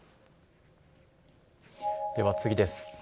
では次です。